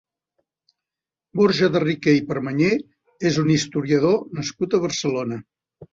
Borja de Riquer i Permanyer és un historiador nascut a Barcelona.